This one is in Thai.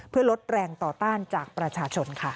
เพื่อลดแรงต่อต้านจากประชาชนค่ะ